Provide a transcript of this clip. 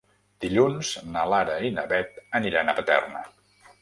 Dilluns na Lara i na Beth aniran a Paterna.